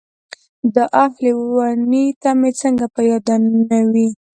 داح لېونۍ ته مې څنګه په ياده نه وې.